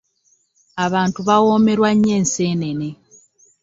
Abantu bawoomerwa nnyo ensenene.